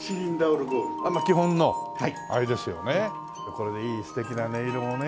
これでいい素敵な音色をね。